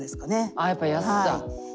あやっぱ「やすさ」。